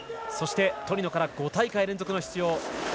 そしてトリノから５大会連続の出場。